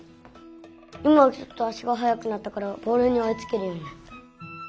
今はちょっとあしがはやくなったからボールにおいつけるようになった。